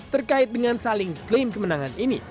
terkait dengan saling klaim kemenangan ini